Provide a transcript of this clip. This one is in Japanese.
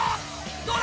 どうだ？